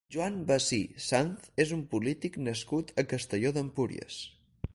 Joan Basí Sanz és un polític nascut a Castelló d'Empúries.